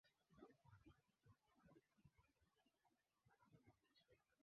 Waliouza rekodi zao vilivyo kwa muda wote na haijawahi kutokea